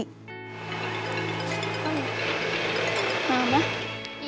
bukan kak bambi